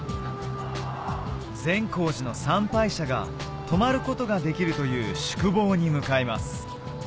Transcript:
善光寺の参拝者が泊まることができるという宿坊に向かいます